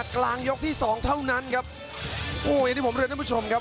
กลางยกที่สองเท่านั้นครับโอ้อย่างที่ผมเรียนท่านผู้ชมครับ